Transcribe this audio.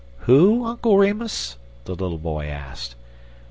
"Who, Uncle Remus?" the little boy asked.